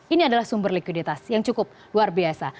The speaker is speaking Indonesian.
ini adalah sumber likuiditas yang cukup luar biasa